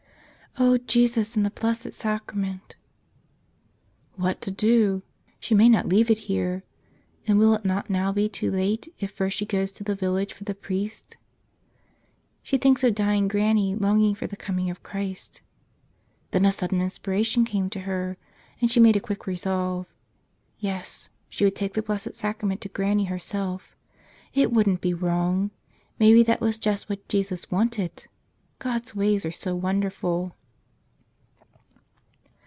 "O Jesus in the Blessed Sacrament .. What to do? She may not leave it here. And will it not now be too late if first she goes to the village for the priest? She thinks of dying Granny longing for the coming of Christ. Then a sudden inspiration came to her, and she made a quick resolve. Yes; she would take the Blessed Sac¬ rament to Granny herself. It wouldn't be wrong. May¬ be that was just what Jesus wanted. ... God's ways are so wonderful.